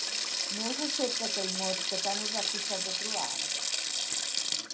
No us accepta aquell mot que tant us ha costat de trobar?